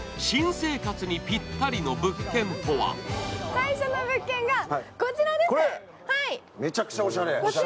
最初の物件がこちらです。